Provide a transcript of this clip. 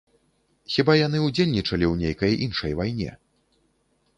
Хіба яны ўдзельнічалі ў нейкай іншай вайне?